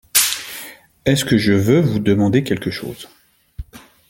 Est-ce que je veux vous demander quelque chose ?